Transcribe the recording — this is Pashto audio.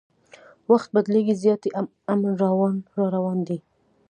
وخت بدلیږي زیاتي امن راروان دی